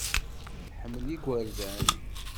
Tḥemmel igerdan.